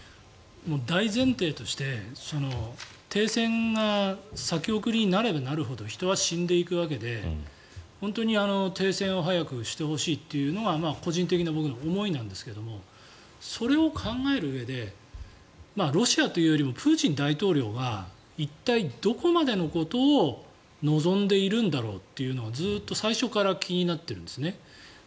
大前提として停戦が先送りになればなるほど人は死んでいくわけで停戦を早くしてほしいというのが個人的な僕の思いなんですけどそれを考えるうえでロシアというよりもプーチン大統領が一体、どこまでのことを望んでいるんだろうというのはずっと最初から気になってるんですね。